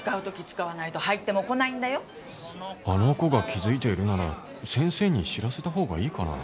あの子が気づいているなら先生に知らせたほうがいいかな？